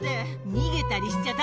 逃げたりしちゃダメよ。